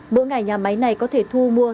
mỗi ngày nhà máy này có thể thu mua